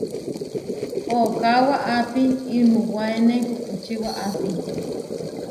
Ooká waʼapi inuwaéne kukučí waʼasi.